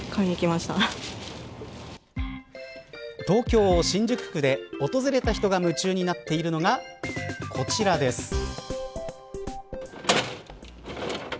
東京、新宿区で訪れた人が夢中になっているのがこちらです。